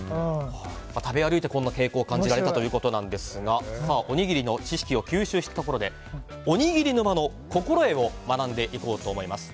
食べ歩いてこんな傾向を感じられたということですがおにぎりの知識を吸収したところでおにぎり沼の心得を学んでいこうと思います。